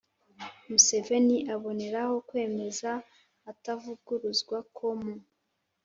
museveni aboneraho kwemeza atavuguruzwa ko mu